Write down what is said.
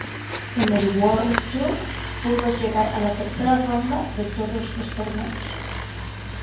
En el World Tour, pudo llegar a la tercera ronda de todos los torneos.